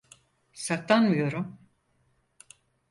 Saklanmıyorum.